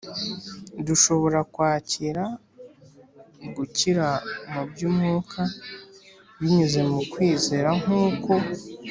Dushobora kwakira gukira mu by’umwuka binyuze mu kwizera nk’uko